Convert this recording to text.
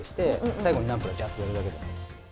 最後にナンプラー、ジャッとやるだけでも。